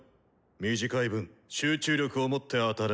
短い分集中力をもって当たれ。